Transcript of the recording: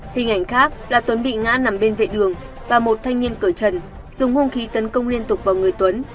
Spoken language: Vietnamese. hình ảnh khác là tuấn bị ngã nằm bên vệ đường và một thanh niên cỡ trần dùng hung khí tấn công liên tục vào người tuấn